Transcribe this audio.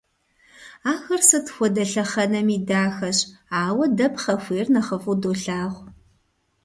Ахэр сыт хуэдэ лъэхъэнэми дахэщ, ауэ дэ пхъэхуейр нэхъыфӀу долъагъу.